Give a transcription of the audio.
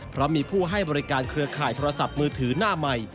เพราะมีผู้ให้บริการเครือข่ายโทรศัพท์มือถือหน้าใหม่